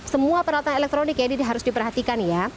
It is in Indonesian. semua peralatan elektronik ya ini harus diperhatikan ya